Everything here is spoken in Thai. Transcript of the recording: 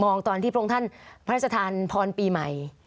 ตอนที่พระองค์ท่านพระราชทานพรปีใหม่